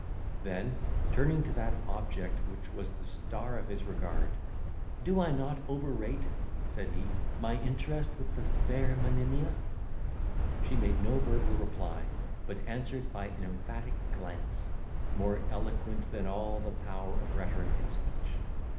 Then turning to that object which was the star of his regard, "Do I not overrate," said he, "my interest with the fair Monimia?" She made no verbal reply; but answered by an emphatic glance, more eloquent than all the power of rhetoric and speech.